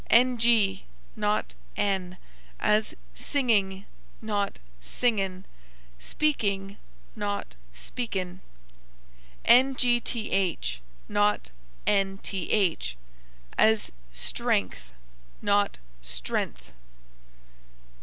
ng, not n, as singing, not singin; speaking, not speakin. ngth, not nth, as strength, not strenth.